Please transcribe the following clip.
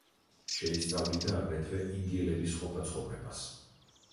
შეისწავლიდა აგრეთვე ინდიელების ყოფაცხოვრებას.